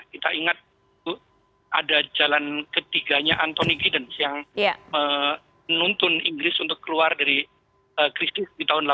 kita ingat ada jalan ketiganya anthony giddens yang menuntun inggris untuk keluar dari krisis di tahun delapan puluh an ya